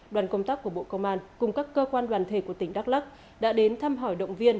đoàn công tác của bộ công an cùng các cơ quan đoàn thể của tỉnh đắk lắc đã đến thăm hỏi động viên